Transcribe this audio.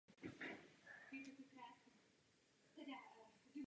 Podporoval však i restauraci Bourbonů.